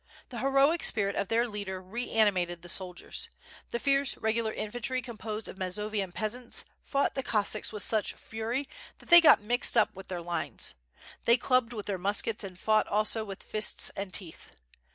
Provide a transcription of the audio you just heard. The heroic spirit of their leader reanimated the soldiers. The fierce regular infantry composed of Mazovian peasants, fought the Cossacks with such fury that they got mixed up with their lines. They clubbed with their muskets and fought also with fists and teeth.